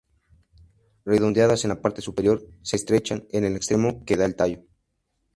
Redondeadas en la parte superior, se estrechan en el extremo que da al tallo.